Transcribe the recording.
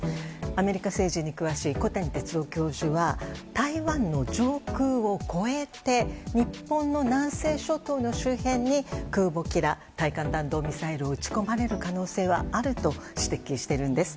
アメリカ政治に詳しい小谷哲男教授は台湾の上空を越えて日本の南西諸島の周辺に空母キラー対艦弾道ミサイルを撃ち込まれる可能性はあると指摘しているんです。